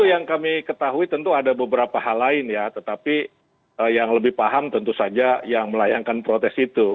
yang kami ketahui tentu ada beberapa hal lain ya tetapi yang lebih paham tentu saja yang melayangkan protes itu